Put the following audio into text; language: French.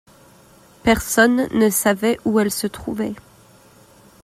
Personne ne savait où elles se trouvaient